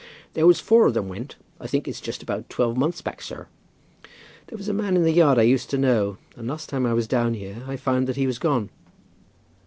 "There was four of them went, I think it's just about twelve months back, sir." "There was a man in the yard I used to know, and last time I was down here, I found that he was gone."